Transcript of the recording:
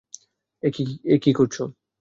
এ কী করছো?